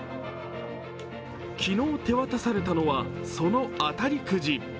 昨日手渡されたのはその当たりくじ。